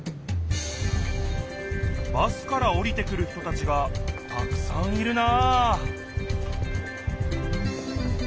バスからおりてくる人たちがたくさんいるな！